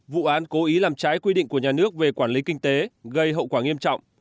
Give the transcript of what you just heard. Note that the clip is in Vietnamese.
vụ án cố ý làm trái quy định của nhà nước về quản lý kinh tế gây hậu quả nghiêm trọng